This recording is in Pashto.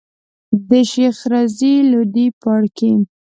د شيخ رضی لودي پاړکی.